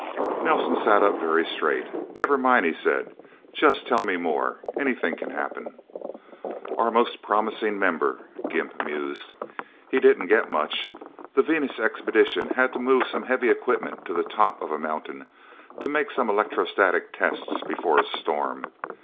Nelsen sat up very straight. "Never mind," he said. "Just tell me more. Anything can happen." "Our most promising member," Gimp mused. "He didn't get much. The Venus Expedition had to move some heavy equipment to the top of a mountain, to make some electrostatic tests before a storm.